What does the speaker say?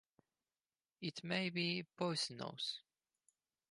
It may be poisonous.